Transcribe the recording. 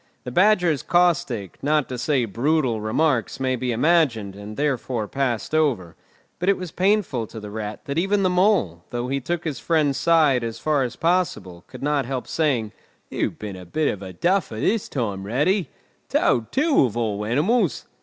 The Badger's caustic, not to say brutal, remarks may be imagined, and therefore passed over; but it was painful to the Rat that even the Mole, though he took his friend's side as far as possible, could not help saying, "You've been a bit of a duffer this time, Ratty! Toad, too, of all animals!"